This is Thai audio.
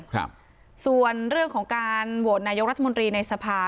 ครับส่วนเรื่องของการโหวตนายกรัฐมนตรีในสภา